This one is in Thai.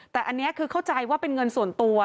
แต่อันนี้คือเข้าใจว่าเป็นเงินส่วนตัว